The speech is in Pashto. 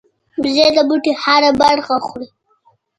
وزې د بوټي هره برخه خوري